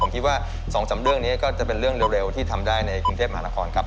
ผมคิดว่า๒๓เรื่องนี้ก็จะเป็นเรื่องเร็วที่ทำได้ในกรุงเทพมหานครครับ